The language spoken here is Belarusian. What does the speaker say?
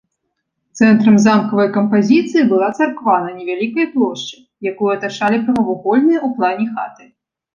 Цэнтрам замкавай кампазіцыі была царква на невялікай плошчы, якую атачалі прамавугольныя ў плане хаты.